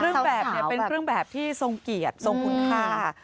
เครื่องแบบเป็นเครื่องแบบที่ทรงเกียรติทรงคุณค่า